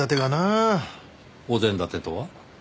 お膳立てとは？